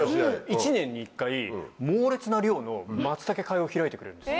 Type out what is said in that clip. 一年に１回猛烈な量のマツタケ会を開いてくれるんですよ。